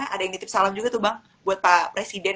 ada yang titip salam juga tuh bang buat pak presiden